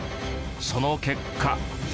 その結果。